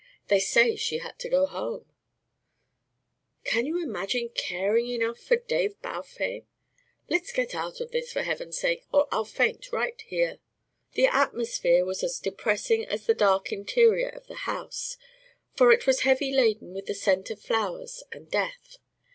They say she had to go home " "Can you imagine caring enough for Dave Balfame Let's get out of this, for heaven's sake, or I'll faint right here." The atmosphere was as depressing as the dark interior of the house, for it was heavy laden with the scent of flowers and death.